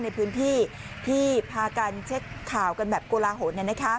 ในพื้นที่ที่พากันเช็คข่าวกันแบบโกลาหล